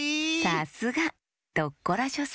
さすがドッコラショ３